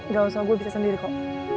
gak usah gue bisa sendiri kok